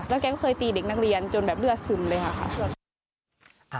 แก๊งเคยตีเด็กนักเรียนจนแบบเลือดซึมเลยค่ะ